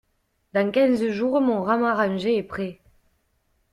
Dans quinze jours, mon rhum arrangé est prêt.